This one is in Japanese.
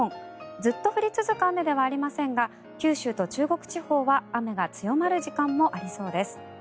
ずっと降り続く雨ではありませんが九州と中国地方は雨が強まる時間もありそうです。